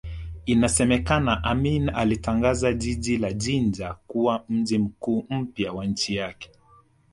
Inasemekana Amin alitangaza jiji la Jinja kuwa mji mkuu mpya wa nchi yake